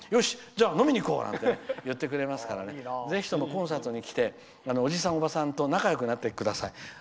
じゃあ飲みにいこう！なんて言ってくれますからぜひともコンサートに来ておじさん、おばさんと仲よくなってください。